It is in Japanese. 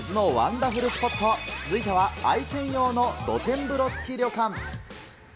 ダフルスポット、続いては愛犬用の露天風呂付き旅館。